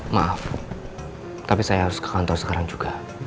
maaf tapi saya harus ke kantor sekarang juga